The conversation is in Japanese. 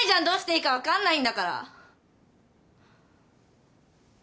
どうしていいか分かんないんだから！